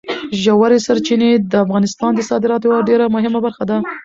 ژورې سرچینې د افغانستان د صادراتو یوه ډېره مهمه برخه ده.